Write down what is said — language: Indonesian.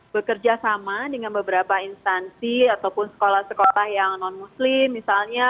bekerja sama dengan beberapa instansi ataupun sekolah sekolah yang non muslim misalnya